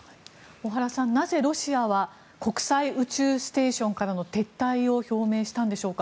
小原さん、なぜロシアは国際宇宙ステーションからの撤退を表明したんでしょうか。